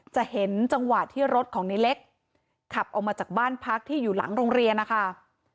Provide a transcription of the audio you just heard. จะเห็นจังหวะที่รถของในเล็กขับออกมาจากบ้านพักที่อยู่หลังโรงเรียนนะคะ